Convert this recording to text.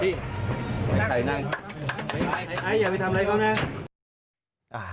ให้ไอซ์ไม่ไปทำอะไรนะครับ